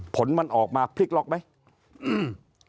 ผลมันออกมาพลิกล็อกไหมอืม